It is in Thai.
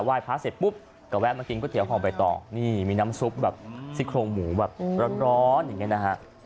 พระเสร็จปุ๊บก็แวะมากินก๋วห่อใบตองนี่มีน้ำซุปแบบซี่โครงหมูแบบร้อนอย่างนี้นะฮะ